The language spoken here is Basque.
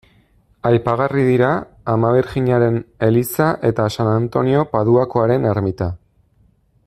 Aipagarri dira Ama Birjinaren eliza eta San Antonio Paduakoaren ermita.